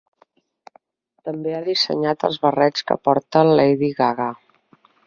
També ha dissenyat els barrets que porta Lady Gaga.